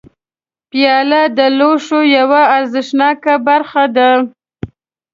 پیاله د لوښو یوه ارزښتناکه برخه ده.